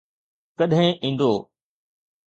ڪڏهن ايندو؟